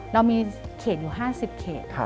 เรามีเขตอยู่๕๐เขต